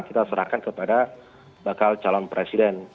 kita serahkan kepada bakal calon presiden